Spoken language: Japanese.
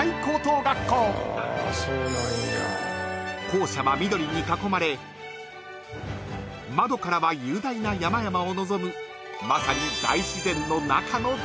［校舎は緑に囲まれ窓からは雄大な山々を望むまさに］